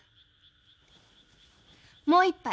もう一杯。